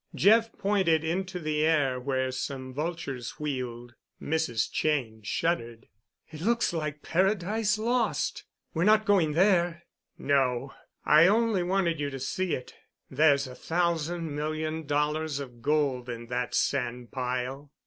Jeff pointed into the air, where some vultures wheeled. Mrs. Cheyne shuddered. "It looks like Paradise Lost. We're not going there?" "No—I only wanted you to see it. There's a thousand million dollars of gold in that sandpile."